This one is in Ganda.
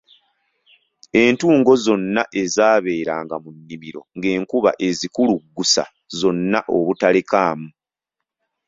Entungo zonna ezaabeeranga mu nnimiro ng'enkuba ezikuluggusa zonna obutalekaamu.